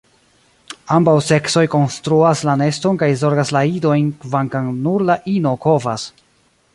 Ambaŭ seksoj konstruas la neston kaj zorgas la idojn, kvankam nur la ino kovas.